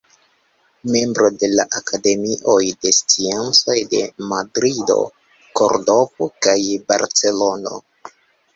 Membro de la Akademioj de Sciencoj de Madrido, Kordovo kaj Barcelono.